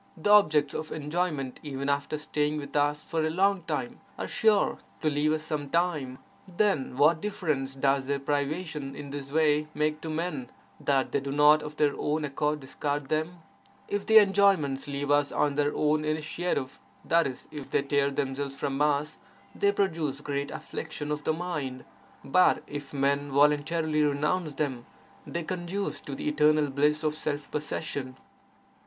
The objects of enjoyment, even after staying with us for a long time, are sure to leave us sometime; then what difference does their privation in this way make to men, that they do not of their own accord discard them? If the 14 VAIRAGYA SATAKAM enjoyments leave us on their own initiative, i.e., if they tear themselves from us, they produce great affliction of the mind; but if men voluntarily renounce them, they conduce to the eternal bliss of self possession.